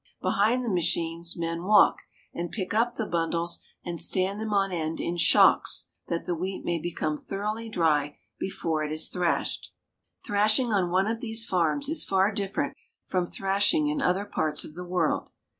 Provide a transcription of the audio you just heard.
Behind the machines men walk, and pick up the bundles and stand them on end in shocks, that the wheat may become thoroughly dry before it is thrashed. Thrashing on one of these farms is far different from thrashing in other parts of the world.